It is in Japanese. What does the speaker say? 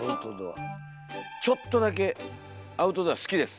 ちょっとだけアウトドア好きです。